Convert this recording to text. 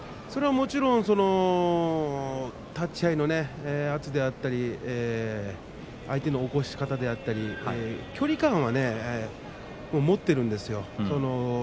もちろん立ち合いの圧であったり相手の起こし方であったり距離感は持っているんです。